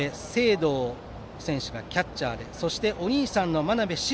憧選手がキャッチャーでそしてお兄さんの真鍋至